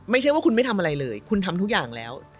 ไม่ใช่ว่าคุณไม่ทำอะไรเลยคุณทำทุกอย่างแล้ว